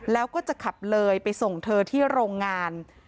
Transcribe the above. แล้วก็จะขับเลยไปส่งเธอที่โรงงาน